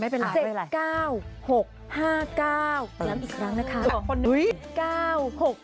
เรียนเรียนอีกครั้งก็คาว